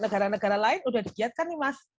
negara negara lain sudah digiatkan nih mas